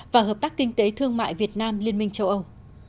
và hợp tác kinh tế thương mại việt nam liên minh châu âu